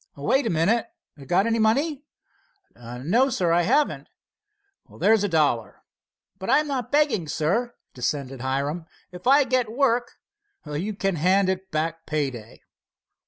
"Wait a minute—got any money?" "No, sir, I haven't." "There's a dollar." "But I'm not begging, sir," dissented Hiram. "If I get work——" "You can hand it back pay day."